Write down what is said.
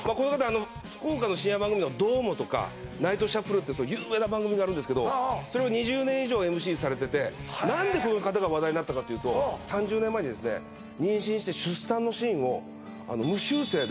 あの福岡の深夜番組の「ドォーモ」とか「ナイトシャッフル」って有名な番組があるんですけどそれを２０年以上ＭＣされててへえ何でこの方が話題になったかというと３０年前にですね妊娠してええ！？